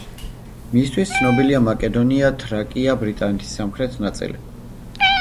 მისთვის ცნობილია მაკედონია, თრაკია, ბრიტანეთის სამხრეთ ნაწილი.